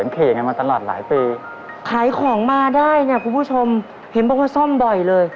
ขายของมาได้เนี่ยคุณผู้ชมเห็นบอกว่าซ่อมบ่อยเลย